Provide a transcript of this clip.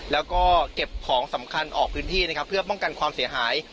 แล้วก็เก็บของสำคัญออกพื้นที่นะครับเพื่อป้องกันความเสียหาย